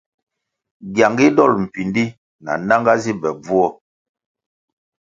Gyangu dol mpíndí na nanga zi be bvuo.